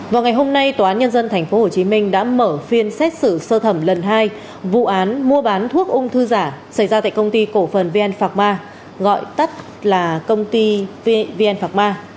vào ngày hôm nay tòa án nhân dân tp hcm đã mở phiên xét xử sơ thẩm lần hai vụ án mua bán thuốc ung thư giả xảy ra tại công ty cổ phần vn phạc ma gọi tắt là công ty vn phạc ma